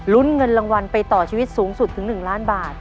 เงินรางวัลไปต่อชีวิตสูงสุดถึง๑ล้านบาท